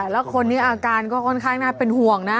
แล้วคนนี้อาการก็ค่อนข้างน่าเป็นห่วงนะ